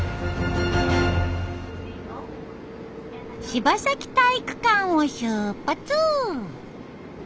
柴崎体育館を出発！